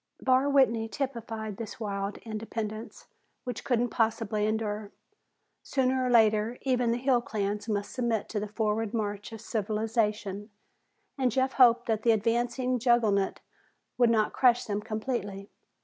Barr Whitney typified this wild independence, which couldn't possibly endure. Sooner or later even the hill clans must submit to the forward march of civilization and Jeff hoped that the advancing juggernaut would not crush them completely.